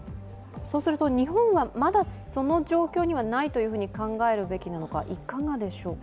日本はまだその状況にないと考えるべきなのか、いかがでしょうか？